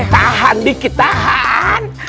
tahan dikit tahan